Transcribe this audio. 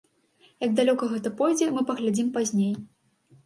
Як далёка гэта пойдзе, мы паглядзім пазней.